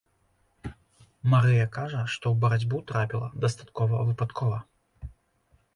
Марыя кажа, што ў барацьбу трапіла дастаткова выпадкова.